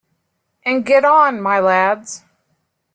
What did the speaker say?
And get on, my lads!